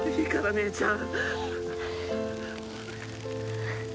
姉ちゃん！！